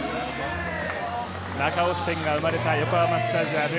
中押し点が生まれた横浜スタジアム。